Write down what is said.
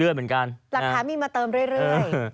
รักษามีมาเติมเรื่อย